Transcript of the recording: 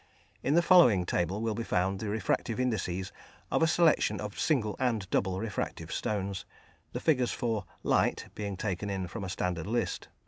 In the following table will be found the refractive indexes of a selection of single and double refractive stones, the figures for "Light" being taken from a standard list.